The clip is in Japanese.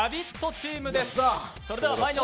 チームです。